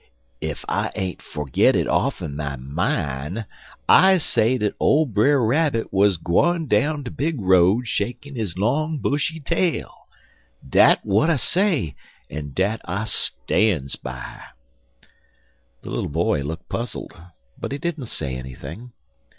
"Ef I ain't fergit it off'n my mine, I say dat ole Brer Rabbit wuz gwine down de big road shakin' his long, bushy tail. Dat w'at I say, en dat I stan's by." The little boy looked puzzled, but he didn't say anything.